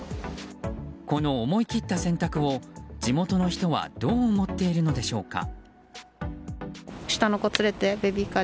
この思い切った選択を地元の人はどう思っているのでしょうか。